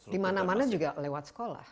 dimana mana juga lewat sekolah